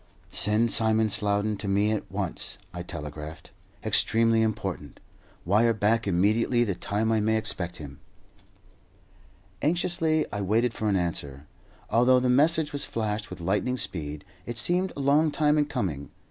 "Send Simon Slowden to me at once" I telegraphed. "Extremely important. Wire back immediately the time I may expect him." Anxiously I waited for an answer. Although the message was flashed with lightning speed, it seemed a long time in coming.